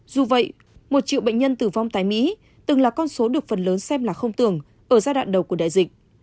dù vậy một triệu bệnh nhân tử vong tại mỹ từng là con số được phần lớn xem là không tưởng ở giai đoạn đầu của đại dịch